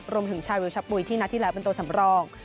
รวมถึงชายวิวชะปุยที่นัดที่แล้วเป็นตัวสำรอง